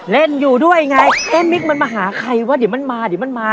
เล่นอยู่ด้วยไงเอ๊ะมิกมันมาหาใครวะเดี๋ยวมันมาเดี๋ยวมันมา